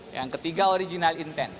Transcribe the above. yang ketiga original intent